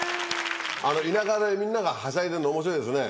あの田舎でみんながはしゃいでるの面白いですね。